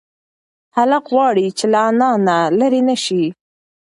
هلک غواړي چې له انا نه لرې نشي.